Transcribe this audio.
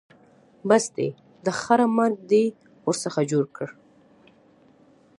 بس دی؛ د خره مرګ دې ورڅخه جوړ کړ.